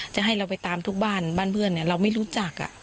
จะให้เราไปตามทุกบ้านบ้านเพื่อนเราไม่รู้จัก